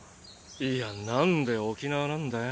いやなんで沖縄なんだよ。